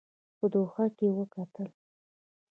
په دوحه کې وکتل.